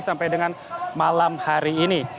sampai dengan malam hari ini